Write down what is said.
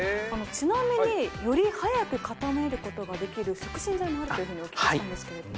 ちなみにより早く固めることができる促進剤もあるというふうにお聞きしたんですけれども。